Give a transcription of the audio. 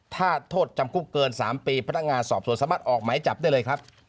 ถ้าโทษจำคุกเกิน๓ปีพนักงานสอบสวนสามารถออกหมายจับได้เลยครับ